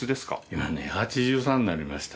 今ね８３になりました。